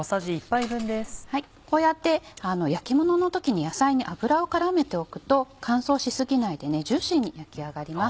こうやって焼きものの時に野菜に油を絡めておくと乾燥し過ぎないでジューシーに焼き上がります。